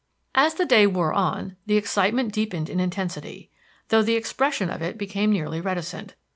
As the day wore on, the excitement deepened in intensity, though the expression of it became nearly reticent.